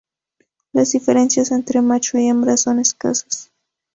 Las diferencias entre macho y hembra son escasas.